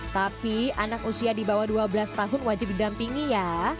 tapi anak usia di bawah dua belas tahun wajib didampingi ya